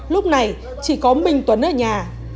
lúc này chỉ có mình tuấn ở nhà